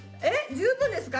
十分ですよ。